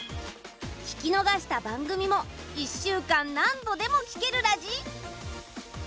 聴き逃した番組も１週間何度でも聴けるラジ！